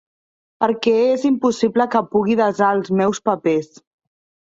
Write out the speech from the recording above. Perquè és impossible que pugui desar els meus papers.